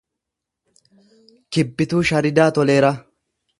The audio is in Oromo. Kibbituu Sharidaa Toleeraa